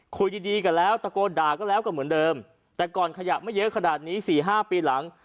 คุยดีดีก็แล้วตะโกนด่าก็แล้วก็เหมือนเดิมแต่ก่อนขยะไม่เยอะขนาดนี้สี่ห้าปีหลัง